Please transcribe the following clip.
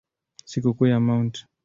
Sikukuu ya Mt.